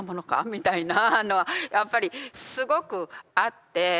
みたいなのはやっぱりすごくあって。